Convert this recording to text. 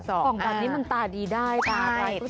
กล่องแบบนี้มันตาดีได้ตาอะไร